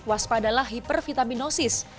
waspada lah hipervitaminosis